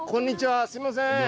すいません。